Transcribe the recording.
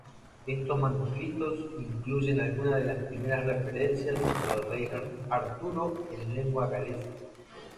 Estos manuscritos incluyen algunas de las primeras referencias al rey Arturo en lengua galesa.